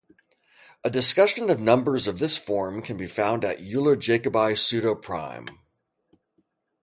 A discussion of numbers of this form can be found at Euler-Jacobi pseudoprime.